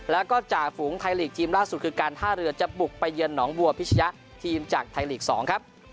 แล้วก็จ่าฝูงไทยลีกทีมล่าสุดคือการท่าเรือจะบุกไปเยือนหนองบัวพิชยะทีมจากไทยลีก๒ครับ